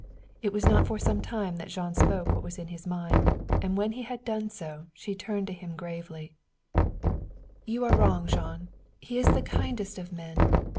It was not for some time that Jean spoke what was in his mind, and when he had done so she turned to him gravely: "You are wrong, Jean. He is the kindest of men.